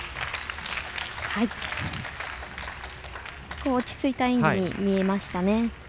ここも落ち着いた演技に見えましたね。